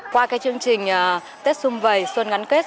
qua cái chương trình tết xuân vầy xuân ngắn kết